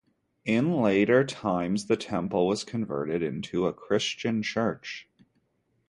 In later times, the temple was converted into a Christian church.